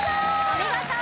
お見事！